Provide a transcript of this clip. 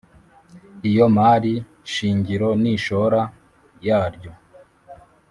Iyo mari shingiro n’ishoro yarwo]